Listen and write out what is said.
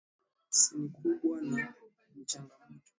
si ni kubwa na ni changamoto